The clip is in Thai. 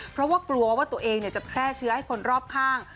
เพราะว่ากลัวว่าตัวเองจะแพร่เชื้อให้คนรอบข้าง